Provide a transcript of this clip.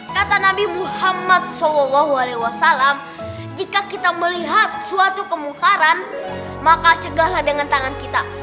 kata nabi muhammad saw jika kita melihat suatu kemungkaran maka cegahlah dengan tangan kita